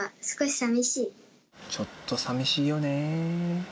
ちょっとさみしいよね。